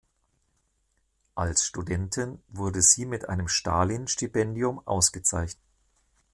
Als Studentin wurde sie mit einem Stalin-Stipendium ausgezeichnet.